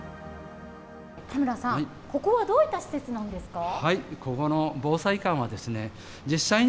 田村さん、ここはどういった施設なんですか。